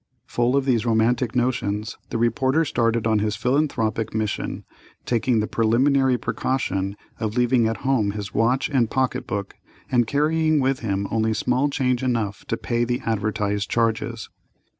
Full of these romantic notions, the reporter started on his philanthropic mission, taking the preliminary precaution of leaving at home his watch and pocket book, and carrying with him only small change enough to pay the advertised charges.